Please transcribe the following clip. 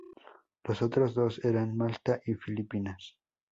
Los otros dos eran Malta y Filipinas.